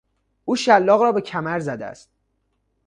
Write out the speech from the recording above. او شلاق را به کمر زده است.